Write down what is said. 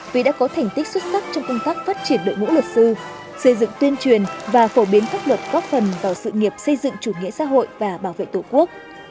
vì đã có thành tích xuất sắc trong công tác phát triển đội ngũ luật sư xây dựng tuyên truyền và phổ biến pháp luật góp phần vào sự nghiệp xây dựng chủ nghĩa xã hội và bảo vệ tổ quốc